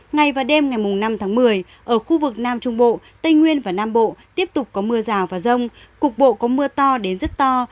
ngày và đêm ngày năm tháng một mươi ở khu vực nam trung bộ tây nguyên và nam bộ tiếp tục có mưa rào và rông cục bộ có mưa to đến rất to